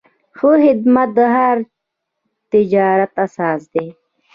ښه خدمت د هر تجارت اساس دی.